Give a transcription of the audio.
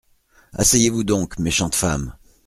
Asseyez-vous donc, méchante femme.